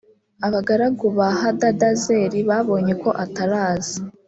abagaragu ba hadadezeri babonye ko ataraza